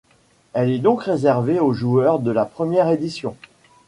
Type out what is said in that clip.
Elle est donc réservée aux joueurs de la première édition.